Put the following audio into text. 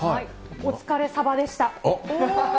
お疲れサバでした。